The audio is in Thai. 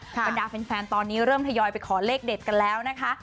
บรรดาแฟนตอนนี้เริ่มทยอยไปขอเลขเด็ดกันแล้วนะคะ